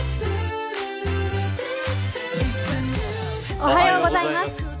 おはようございます。